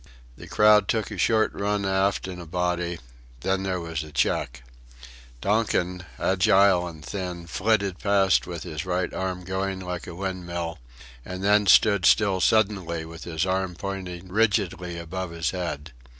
The crowd took a short run aft in a body then there was a check. Donkin, agile and thin, flitted past with his right arm going like a windmill and then stood still suddenly with his arm pointing rigidly above his head.